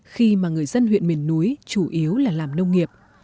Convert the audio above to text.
khi mà người dân huyện miền núi chủ yếu là làm nông nghiệp